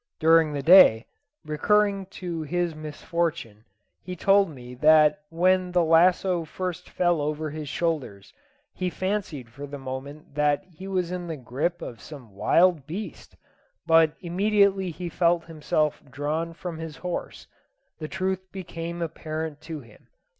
During the day, recurring to his misfortune, he told me that when the lasso first fell over his shoulders, he fancied for the moment that he was in the gripe of some wild beast, but immediately he felt himself drawn from his horse, the truth became apparent to him.